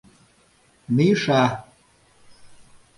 Миша!